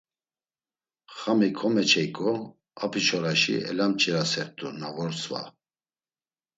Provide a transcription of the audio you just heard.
Xami komeçeyǩo apiçoraşi elamç̌ilasert̆u na vor sva…